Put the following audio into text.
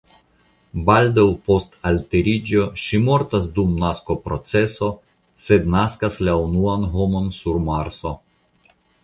Baldaŭ post alteriĝo ŝi mortas dum naskproceso sed naskas la unuan homon sur Marso.